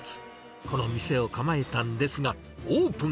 この店を構えたんですが、オープン